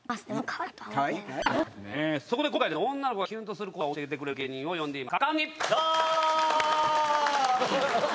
今回女の子がキュンとする言葉を教えてくれる芸人を呼んでいます。